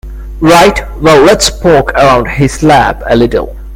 Right, well let's poke around his lab a little.